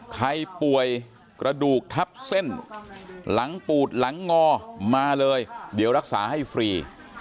ใครป่วยกระดูกทับเส้นหลังปูดหลังงอมาเลยเดี๋ยวรักษาให้ฟรี